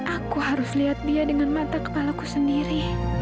aku harus lihat dia dengan mata kepalaku sendiri